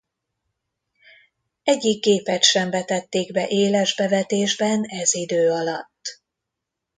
Egyik gépet sem vetették be éles bevetésben ez idő alatt.